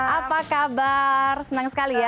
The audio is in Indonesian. apa kabar senang sekali ya